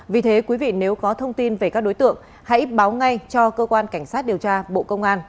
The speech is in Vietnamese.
vì thế quý vị nếu có thông tin về các đối tượng hãy báo ngay cho cơ quan cảnh sát điều tra bộ công an